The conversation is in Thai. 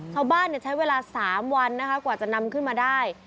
ชาวบ้านใช้เวลา๓วันกว่าจะนำขึ้นมาได้